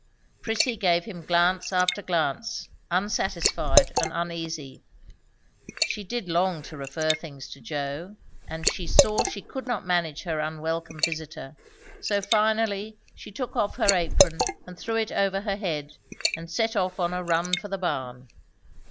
Prissy gave him glance after glance, unsatisfied and uneasy. She did long to refer things to Joe; and she saw she could not manage her unwelcome visiter; so finally she took off her apron and threw it over her head and set off on a run for the barn.